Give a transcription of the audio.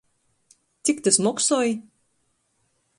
Cik tys moksoj?